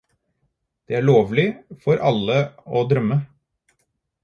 Det er lovleg for alle å drøyme.